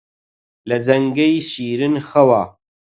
لە جەنگەی شیرن خەوا